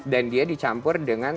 dan dia dicampur dengan